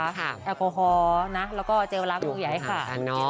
แอลกโคฮอล์แล้วก็เจลล้ำใหญ่ค่ะ